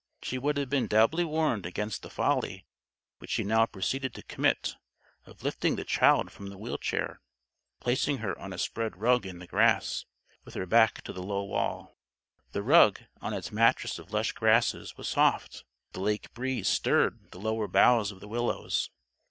She would have been doubly warned against the folly which she now proceeded to commit of lifting the child from the wheel chair, and placing her on a spread rug in the grass, with her back to the low wall. The rug, on its mattress of lush grasses, was soft. The lake breeze stirred the lower boughs of the willows.